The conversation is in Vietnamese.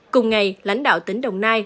cùng ngày lãnh đạo tỉ đồng nai